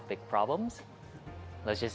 kita suka menjual barang besar